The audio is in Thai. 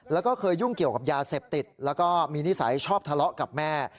แล้วก็เคยยุ่งเกี่ยวกับยาเสพติดแล้วก็มีนิสัยชอบทะเลาะกับแม่